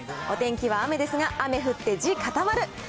お天気は雨ですが、雨降って地固まる。